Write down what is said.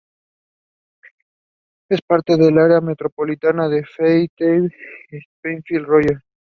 Es parte del área metropolitana de Fayetteville-Springdale-Rogers.